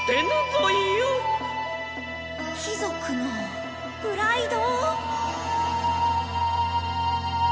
これが貴族のプライド！